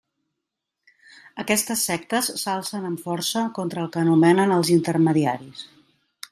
Aquestes sectes s'alcen amb força contra el que anomenen els intermediaris.